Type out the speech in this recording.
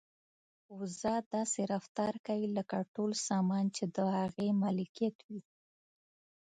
وزه داسې رفتار کوي لکه ټول سامان چې د هغې ملکیت وي.